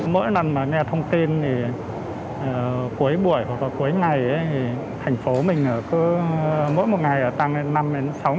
mỗi lần mà nghe thông tin thì cuối buổi hoặc là cuối ngày thì thành phố mình mỗi một ngày tăng lên năm sáu ca